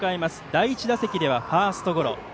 第１打席ではファーストゴロ。